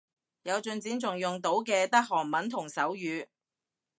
有進展仲用到嘅得韓文同手語